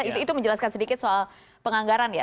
itu menjelaskan sedikit soal penganggaran ya